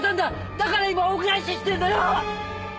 だから今恩返ししてるんだよ。